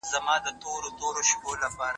ساینس زموږ سره مرسته کوي چې توري ووینو.